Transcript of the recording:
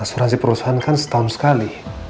asuransi perusahaan kan setahun sekali